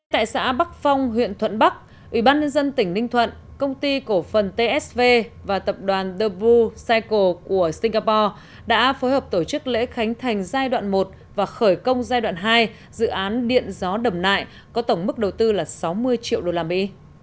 tại xã bắc phong huyện thuận bắc ubnd tỉnh ninh thuận công ty cổ phần tsv và tập đoàn theboo cycle của singapore đã phối hợp tổ chức lễ khánh thành giai đoạn một và khởi công giai đoạn hai dự án điện gió đầm nại có tổng mức đầu tư là sáu mươi triệu đô la mỹ